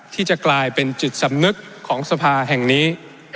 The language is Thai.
ที่จะกลายเป็นจิตสำนึกของสภาแห่งนี้